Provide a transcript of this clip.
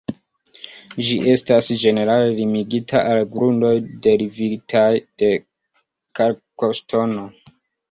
Ĝi estas ĝenerale limigita al grundoj derivitaj de kalkoŝtono.